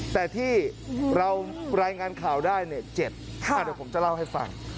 แต่ที่เรารายงานข่าวได้เนี่ย๗เดี๋ยวผมจะเล่าให้ฟัง